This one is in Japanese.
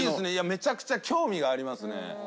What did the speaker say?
めちゃくちゃ興味がありますね。